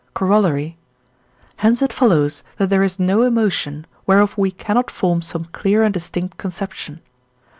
Corollary. Hence it follows that there is no emotion, whereof we cannot form some clear and distinct conception.